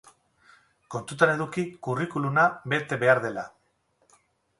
Kontuan eduki curriculuma bete behar dela.